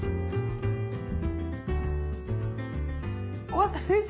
わっ先生